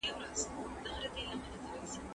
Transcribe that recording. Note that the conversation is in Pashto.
فرد ځان د نورو لپاره قرباني کوي.